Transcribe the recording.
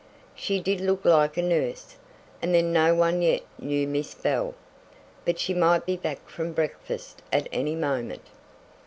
She did look like a nurse, and then no one yet knew Miss Bell. But she might be back from breakfast at any moment!